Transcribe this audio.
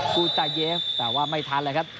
พูดจาเยฟแต่ว่าไม่ทันเลยครับ